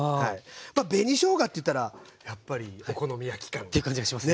まあ紅しょうがっていったらやっぱりお好み焼き感が。っていう感じがします。